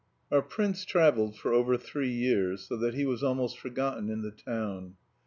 IV Our prince travelled for over three years, so that he was almost forgotten in the town.